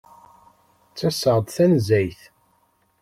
Ttaseɣ-d tanezzayt.